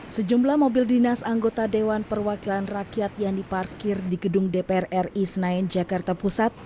sejumlah mobil dinas anggota dewan perwakilan rakyat yang diparkir di gedung dpr ri senayan jakarta pusat